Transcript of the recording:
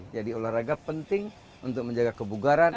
jadi olahraga penting untuk menjaga kebugaran